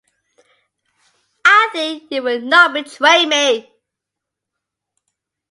I think you will not betray me.